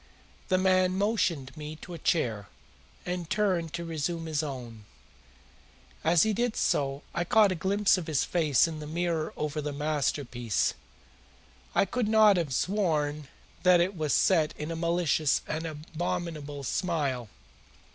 The man motioned me to a chair, and turned to resume his own. As he did so I caught a glimpse of his face in the mirror over the mantelpiece. I could have sworn that it was set in a malicious and abominable smile.